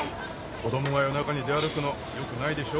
子供が夜中に出歩くのよくないでしょ。